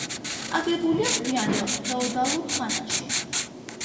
აგებულია გვიანდელ ფეოდალურ ხანაში.